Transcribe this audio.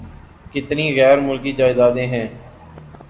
کتنی غیر ملکی جائیدادیں ہیں۔